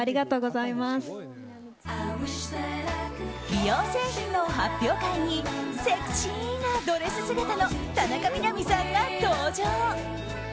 美容製品の発表会にセクシーなドレス姿の田中みな実さんが登場。